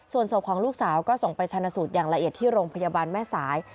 ส่วนศพของลูกสาวก็ส่งไปชนะสูตรอย่างละเอียดที่โรงพยาบาลแม่สาย